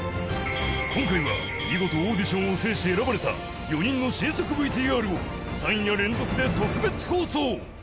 今回は見事オーディションを制して選ばれた４人の新作 ＶＴＲ を３夜連続で特別放送！